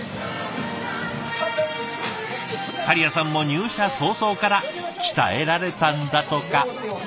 狩屋さんも入社早々から鍛えられたんだとか。